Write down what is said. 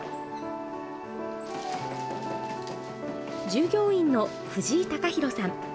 従業員の藤井貴寛さん。